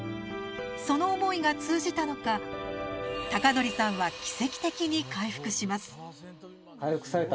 その想いが通じたのか卓典さんは奇跡的に回復します。